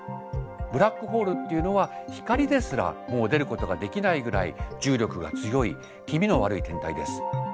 ブラックホールっていうのは光ですらもう出ることができないぐらい重力が強い気味の悪い天体です。